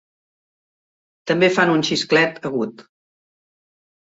També fan un xisclet agut.